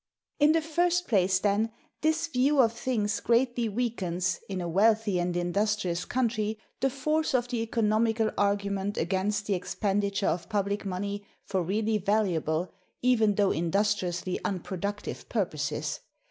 In the first place, then, this view of things greatly weakens, in a wealthy and industrious country, the force of the economical argument against the expenditure of public money for really valuable, even though industriously unproductive, purposes.